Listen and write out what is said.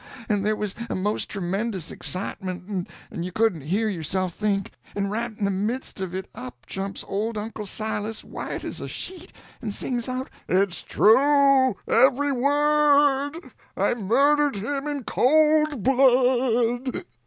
and there was a most tremendous excitement, and you couldn't hear yourself think; and right in the midst of it up jumps old Uncle Silas, white as a sheet, and sings out: "_It's true, every word—I murdered him in cold blood!